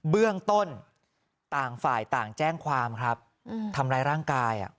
เบื้องต้นต่างฝ่ายต่างแจ้งความครับทำร้ายร่างกาย